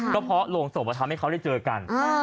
ก็เพราะโรงศพทำให้เขาได้เจอกัน